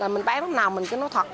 mình bán lúc nào mình cứ nói thật